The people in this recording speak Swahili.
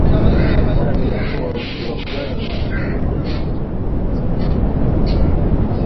afya ya mifugo wauzaji wa dawa wafanyabiashara na wadau wengine